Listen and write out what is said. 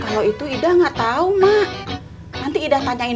baik banget sayakan